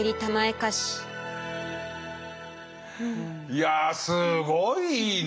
いやあすごいいいね！